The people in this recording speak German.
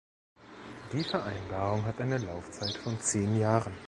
Die Vereinbarung hat eine Laufzeit von zehn Jahren.